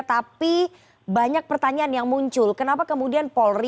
tapi banyak pertanyaan yang muncul kenapa kemudian polri